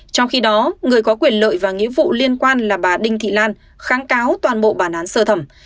trong khi đó người có quyền lợi và nghĩa vụ liên quan là bà đinh thị lan kháng cáo toàn bộ bản án sơ thẩm